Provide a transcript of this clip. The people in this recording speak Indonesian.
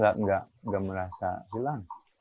tidak merasa hilang